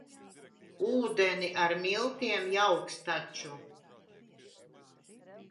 Ūdeni ar miltiem jauks taču.